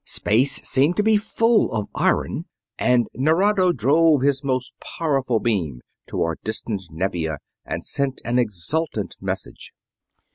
Space seemed to be full of iron, and Nerado drove his most powerful beam toward distant Nevia and sent an exultant message.